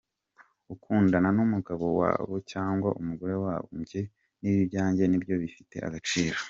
Ukundana n’umugabo wabo cyangwa umugore wabo, njye n’ibyanjye nibyo bifite agaciro.